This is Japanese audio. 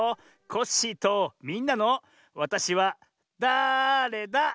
コッシーとみんなの「わたしはだれだ？」。